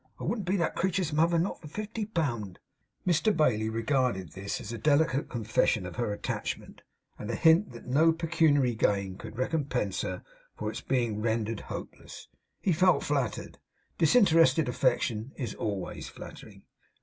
I wouldn't be that creetur's mother not for fifty pound!' Mr Bailey regarded this as a delicate confession of her attachment, and a hint that no pecuniary gain could recompense her for its being rendered hopeless. He felt flattered. Disinterested affection is always flattering.